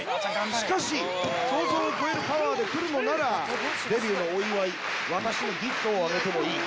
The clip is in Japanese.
「しかし想像を超えるパワーで来るのならデビューのお祝い私のギフトをあげてもいい」。